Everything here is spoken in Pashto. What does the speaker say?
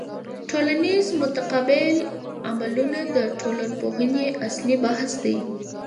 ټولنیز متقابل عملونه د ټولنپوهني اصلي بحث دی.